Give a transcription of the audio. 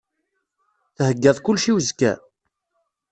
Theyyaḍ kullec i uzekka?